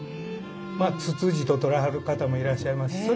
ツツジととられる方もいらっしゃいます。